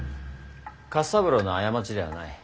勝三郎の過ちではない。